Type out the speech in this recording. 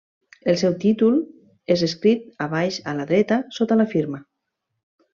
El seu títol és escrit a baix a la dreta, sota la firma.